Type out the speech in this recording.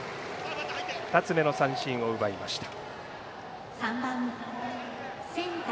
２つ目の三振を奪いました。